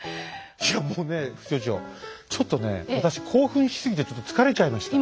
いやもうね副所長ちょっとね私興奮しすぎてちょっと疲れちゃいました。